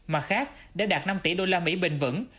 mặt khác để đạt năm tỷ đô la mỹ bình vững